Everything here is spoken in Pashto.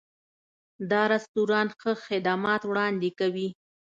دا رستورانت ښه خدمات وړاندې کوي.